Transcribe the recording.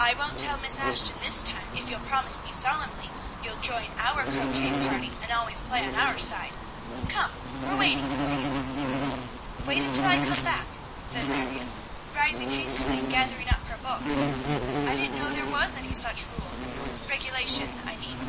I won't tell Miss Ashton this time, if you'll promise me solemnly you'll join our croquet party, and always play on our side! Come; we're waiting for you!" "Wait until I come back," said Marion, rising hastily, and gathering up her books. "I didn't know there was any such a rule regulation, I mean."